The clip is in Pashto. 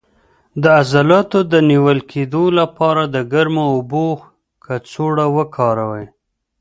د عضلاتو د نیول کیدو لپاره د ګرمو اوبو کڅوړه وکاروئ